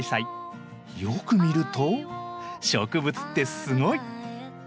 よく見ると植物ってすごい！